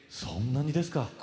そんなにですか。